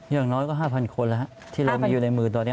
อย่างน้อยก็๕๐๐คนแล้วที่เรามีอยู่ในมือตอนนี้